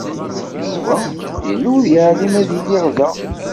Yuba yella ur yeɛlim ad iliɣ da.